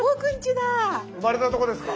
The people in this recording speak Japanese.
生まれたとこですか？